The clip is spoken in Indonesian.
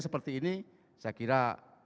seperti ini saya kira